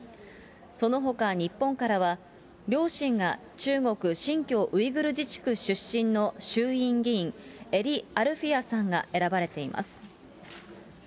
そのほか日本からは、両親が中国・新疆ウイグル自治区出身の衆院議員、英利アルフィヤさんが選ばれています。